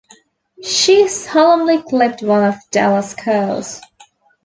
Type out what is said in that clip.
She solemnly clipped one of Della’s curls.